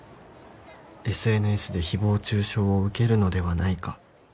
「ＳＮＳで誹謗中傷を受けるのではないか」